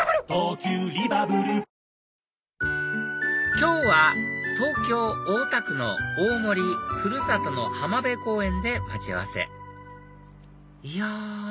今日は東京・大田区の大森ふるさとの浜辺公園で待ち合わせいや！